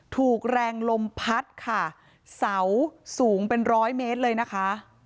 ถูกแรงลมพัดค่ะเสาสูงเป็นร้อยเมตรเลยนะคะ